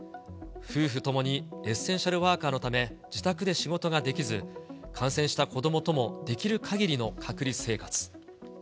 夫婦ともにエッセンシャルワーカーのため、自宅で仕事ができず、感染した子どもともできるかぎりの隔離生活。